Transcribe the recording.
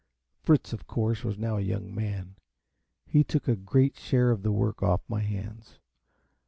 Fritz, of course, was now a young man, and took a large share of the work off my hands.